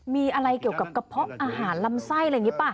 มีอะไรเกี่ยวกับกระเพาะอาหารลำไส้อะไรอย่างนี้ป่ะ